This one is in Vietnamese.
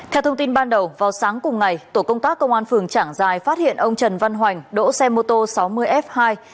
theo thông tin ban đầu vào sáng cùng ngày tổ công tác công an tp trảng giài phát hiện ông trần văn hoành đỗ xe mô tô sáu mươi f hai sáu mươi năm nghìn sáu trăm bốn mươi chín